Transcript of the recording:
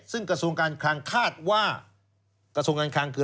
ซึ่งกระทรวงการคลังคาดว่ากระทรวงการคลังคือ